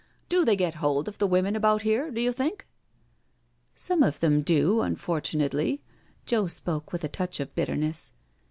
Do they get hold of the women about here, do you think?" " Some of them they do^ unfortunately." Joe spoke with a touch of bitterness.